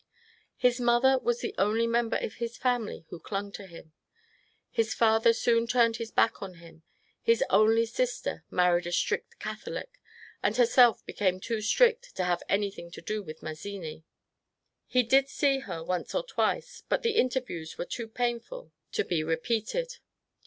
His mother was the only member of his fiunily who clung to him. His father soon turned his back on him ; his only sister married a strict Catholic, and herself became too strict to have anything to do with Mazzini. He did see her once or twice, but the interviews were too painful to be re peated.